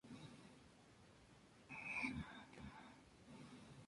En español estándar es ‘aceite’.